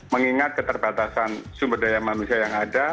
mengingat keterbatasan sumber daya manusia yang ada